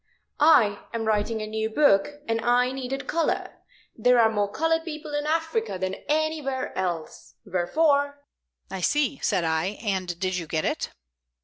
I am writing a new book, and I needed color. There are more colored people in Africa than anywhere else. Wherefore " "I see," said I. "And did you get it?"